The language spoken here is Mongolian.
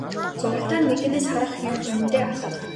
Зурагтаар мэдээнээс харах юм үнэндээ алга.